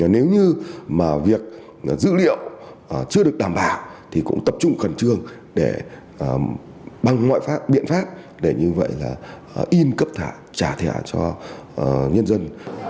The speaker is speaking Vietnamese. nếu như mà việc dữ liệu chưa được đảm bảo thì cũng tập trung khẩn trương để bằng mọi biện pháp để như vậy là in cấp thẻ trả thẻ cho nhân dân